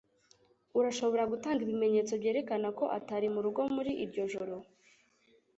Urashobora gutanga ibimenyetso byerekana ko atari murugo muri iryo joro?